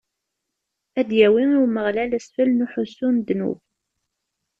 Ad d-yawi i Umeɣlal asfel n uḥussu n ddnub.